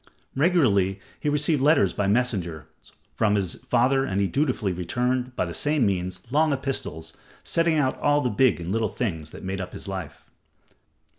Regularly he received letters by messengers from his father, and dutifully he returned, by the same means, long epistles, setting out all the big and little things that made up his life.